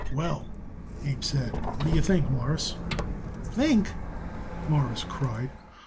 "Well," Abe said, "what do you think, Mawruss?" "Think!" Morris cried.